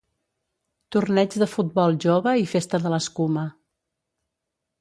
Torneig de futbol jove i festa de l'escuma.